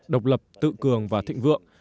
độc lập tự cường và thịnh vượng